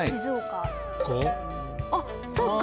あっそうか！